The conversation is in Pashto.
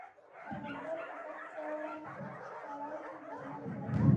کروندګر د کښت په هر پړاو کې زحمت باسي